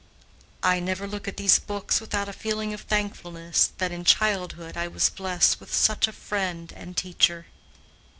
I never look at these books without a feeling of thankfulness that in childhood I was blessed with such a friend and teacher.